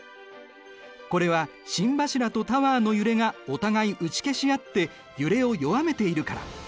これは心柱とタワーの揺れがお互い打ち消しあって揺れを弱めているから。